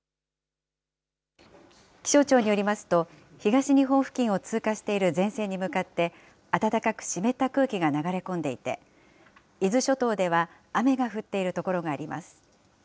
気象庁によりますと、東日本付近を通過している前線に向かって、暖かく湿った空気が流れ込んでいて、伊豆諸島では雨が降っている所があります。